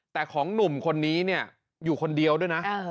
แต่ของหนุ่มคนนี้เนี่ยอยู่คนเดียวด้วยนะ